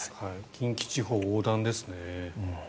近畿地方、横断ですね。